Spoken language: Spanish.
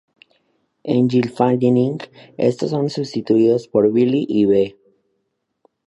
En "Gylfaginning", estos son sustituidos por Vili y Ve.